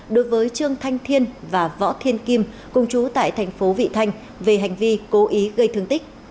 đối với trương thanh thiên và võ thiên kim cùng chú tại tp vị thanh về hành vi cố ý gây thương tích